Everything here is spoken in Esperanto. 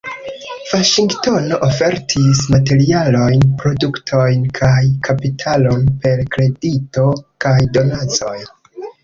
Vaŝingtono ofertis materialojn, produktojn kaj kapitalon per kredito kaj donacoj.